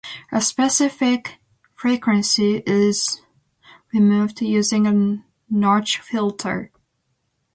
A specific frequency is removed using a notch filter.